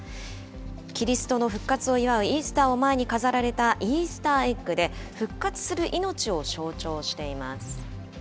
キリストの復活を祝うイースターを前に飾られたイースターエッグで、復活する命を象徴しています。